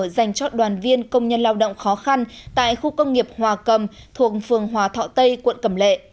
dành cho đoàn viên công nhân lao động khó khăn tại khu công nghiệp hòa cầm thuộc phường hòa thọ tây quận cầm lệ